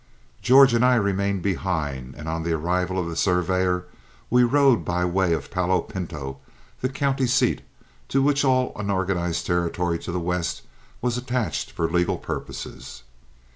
George and I remained behind, and on the arrival of the surveyor we rode by way of Palo Pinto, the county seat, to which all unorganized territory to the west was attached for legal purposes.